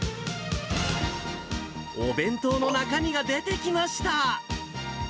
お弁当の中身が出てきました。